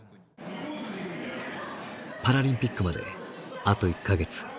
パラリンピックまであと１か月。